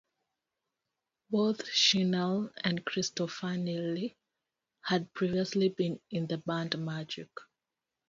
Both Schnell and Cristofanilli had previously been in the band Magic.